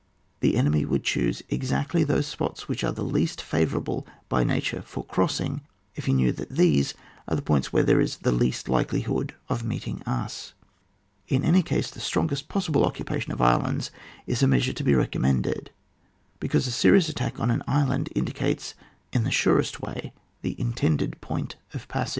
The enemy would choose exactly those spots which are the least favour able by nature for crossing, if he knew that these are the points where there is the least likelihood of meeting us. In any case the strongest possible occupation of islands is a measure to be recommended, because a serious attack on an island indicates in the surest way the intended point of passage.